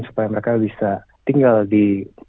supaya mereka bisa tinggal di